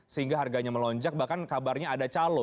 sehingga harganya melonjak bahkan kabarnya ada calo